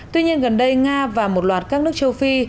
tuy nhiên gần đây nga và một loạt các nước châu phi